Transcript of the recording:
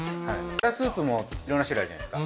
ガラスープもいろんな種類あるじゃないですか。